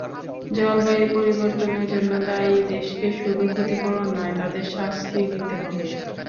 জলবায়ু পরিবর্তনের জন্য দায়ী দেশকে শুধু ক্ষতিপূরণ নয়, তাদের শাস্তি দিতে হবে।